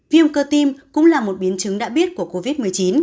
viêm cơ tim cũng là một biến chứng đã biết của covid một mươi chín